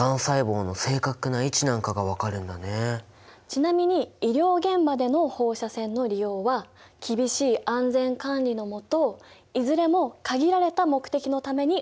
ちなみに医療現場での放射線の利用は厳しい安全管理の下いずれも限られた目的のために行われるんだ。